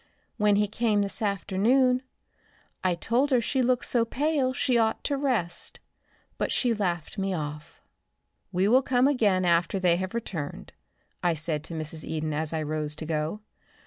When he came this afternoon I told her she looked so pale she ought to rest, but she laughed me off." "We will come again after they have returned," I said to Mrs. Eden as I rose to go.